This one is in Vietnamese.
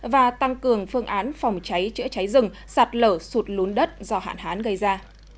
và tăng cường phương án phòng cháy chữa cháy rừng sạt lở sụt lún đất do hạn hán gây ra